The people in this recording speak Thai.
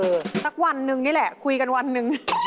สักวันนึงนี่แหละคุยกันวันหนึ่ง